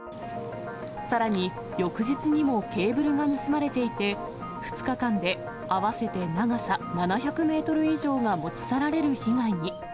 さらに、翌日にもケーブルが盗まれていて、２日間で合わせて長さ７００メートル以上が持ち去られる被害に。